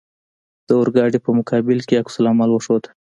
د اورګاډي په مقابل کې عکس العمل وښود.